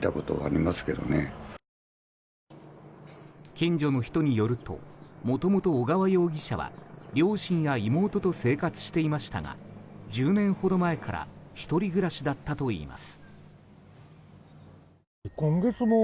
近所の人によるともともと小川容疑者は両親や妹と生活していましたが１０年ほど前から１人暮らしだったといいます。